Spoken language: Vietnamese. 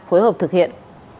phối hợp thực hiện